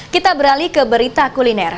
kita beralih ke berita kuliner